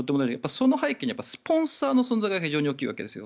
その背景にはスポンサーの存在が非常に大きいわけですよ。